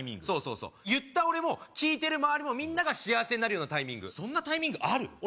そうそうそう言った俺も聞いてるまわりもみんなが幸せになるようなタイミングそんなタイミングある？